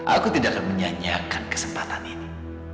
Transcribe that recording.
aku tidak akan menyanyikan kesempatan ini